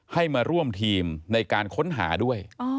ให้มาร่วมทีมในการค้นหาด้วย